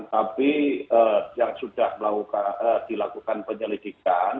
tapi yang sudah dilakukan penyelidikan